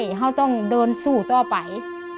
ให้เขาต้องเดินสู้ต่อไป